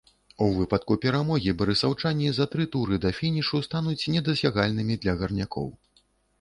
У выпадку перамогі барысаўчане за тры туры да фінішу стануць недасягальнымі для гарнякоў.